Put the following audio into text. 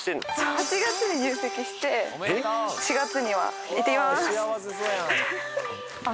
８月に入籍して４月にはいってきまーすあっ